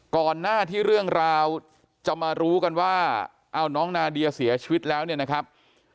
ก่อนหน้าที่เรื่องราวจะมารู้กันว่าเอาน้องนาเดียเสียชีวิตแล้วเนี่ยนะครับ